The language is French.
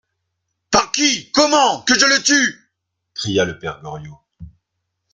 Par qui ? comment ? Que je le tue ! cria le père Goriot.